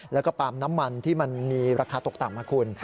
แล้วก็ปาล์มน้ำมันที่มันมีราคาตกต่ำนะคุณ